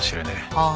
ああ。